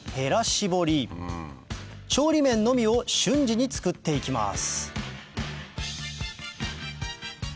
絞り調理面のみを瞬時に作っていきます